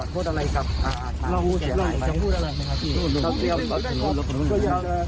ประหลาด